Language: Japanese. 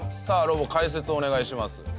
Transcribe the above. さあロボ解説をお願いします。